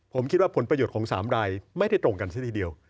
ผมคิดว่าผลประโยชน์ของ๓รายไม่ได้ตรงกันซะทีเดียว